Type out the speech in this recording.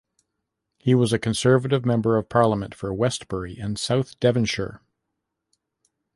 He was Conservative Member of Parliament for Westbury and South Devonshire.